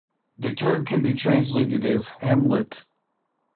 The term can be translated as "hamlet".